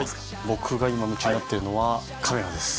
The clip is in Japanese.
僕が今夢中になってるのはカメラです